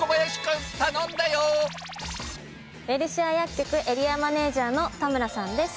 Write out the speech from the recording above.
ウエルシア薬局エリアマネージャーの田村さんです。